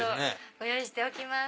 ご用意しておきます。